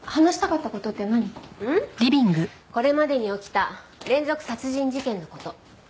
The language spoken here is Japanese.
これまでに起きた連続殺人事件の事。